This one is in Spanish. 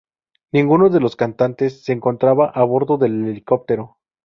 Ninguno de los cantantes se encontraba a bordo del helicóptero.